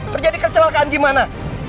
terjadi kecelakaan gimana